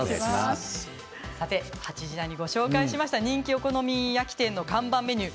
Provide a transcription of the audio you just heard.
８時台にご紹介した人気お好み焼き店の看板メニュー